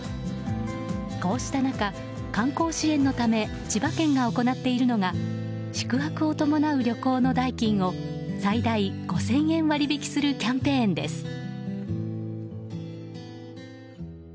こうした中、観光支援のため千葉県が行っているのが宿泊を伴う旅行の代金を最大５０００円割引するキャンペーンです。